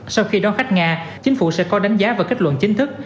sau khi đón khách nga chính phủ sẽ có đánh giá và kết luận chính thức